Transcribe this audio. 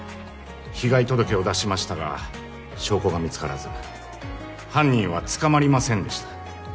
被害届を出しましたが証拠が見つからず犯人は捕まりませんでした。